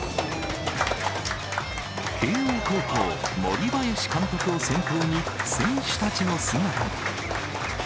慶応高校森林監督を先頭に、選手たちの姿が。